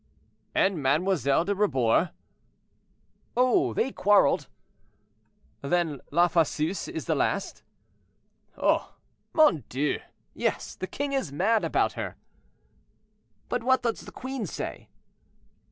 "And Mlle. de Rebours?" "Oh! they quarreled." "Then La Fosseuse is the last?" "Oh! mon Dieu! yes; the king is mad about her." "But what does the queen say?"